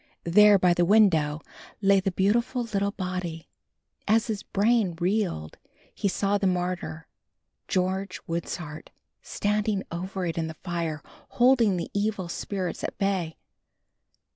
There, by the window, lay the beautiful little body. As his brain reeled he saw the martyr, George Wishart, standing over it in the fire, holding the evil spirits at bay.